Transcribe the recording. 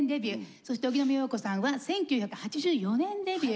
そして荻野目洋子さんは１９８４年デビュー。